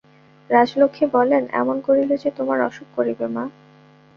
রাজলক্ষ্মী বলেন, এমন করিলে যে তোমার অসুখ করিবে মা।